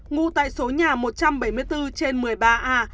ngụ tại số nhà một trăm bảy mươi bốn trên một mươi ba a